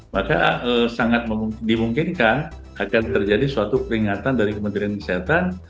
maka sangat dimungkinkan akan terjadi suatu peringatan dari kementerian kesehatan